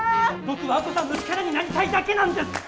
僕は亜子さんの力になりたいだけなんです！